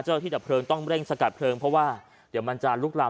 ที่ดับเพลิงต้องเร่งสกัดเพลิงเพราะว่าเดี๋ยวมันจะลุกลาม